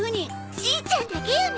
しんちゃんだけよね？